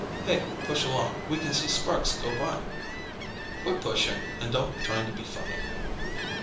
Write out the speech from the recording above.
"Hey, push along! We can see Sparks go by!" "Quit pushing and don't try to be funny."